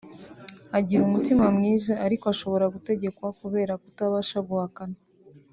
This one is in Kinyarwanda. agira umutima mwiza ariko ashobora gutegekwa kubera kutabasha guhakana